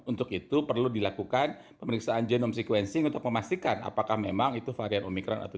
untuk itu perlu dilakukan pemeriksaan genome sequencing untuk memastikan apakah memang itu varian omikron atau tidak